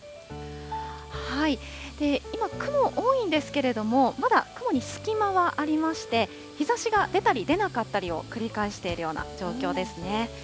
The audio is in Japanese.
今、雲多いんですけれども、まだ雲に隙間はありまして、日ざしが出たり出なかったりを繰り返しているような状況ですね。